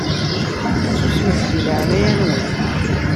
Susmet di leɛnaya-nwen!